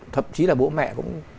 thậm chí là vũ mẹ cũng